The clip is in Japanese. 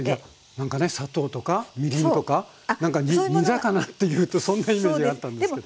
砂糖とかみりんとか煮魚っていうとそんなイメージがあったんですけど。